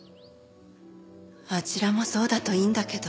あちらもそうだといいんだけど。